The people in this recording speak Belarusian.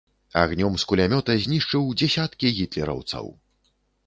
Агнём з кулямёта знішчыў дзесяткі гітлераўцаў.